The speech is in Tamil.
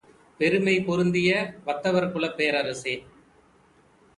பெருமை பொருந்திய வத்தவர்குலப் பேரரசே!